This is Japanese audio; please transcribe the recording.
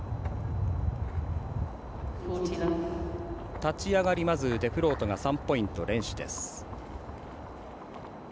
立ち上がり、デフロートが３ポイント連取。